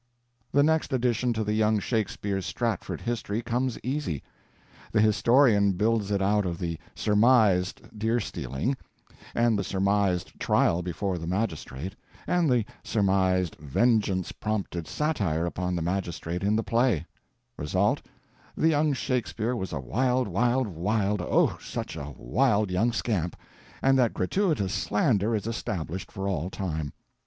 The next addition to the young Shakespeare's Stratford history comes easy. The historian builds it out of the surmised deer steeling, and the surmised trial before the magistrate, and the surmised vengeance prompted satire upon the magistrate in the play: result, the young Shakespeare was a wild, wild, wild, oh, such a wild young scamp, and that gratuitous slander is established for all time!